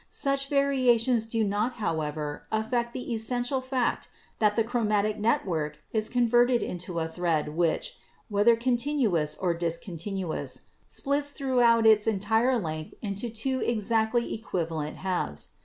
Such variations do not, however, affect the essential fact that the chromatic network is converted into a thread CELL DIVISION 85 which, whether continuous or discontinuous, splits throughout its entire length into two exactly equivalent halves.